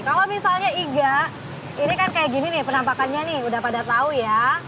kalau misalnya iga ini kan kayak gini nih penampakannya nih udah pada tahu ya